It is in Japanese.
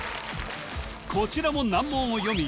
こちらも難問を読み